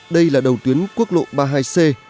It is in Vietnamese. đây là đầu tuyến quốc lộ ba mươi hai c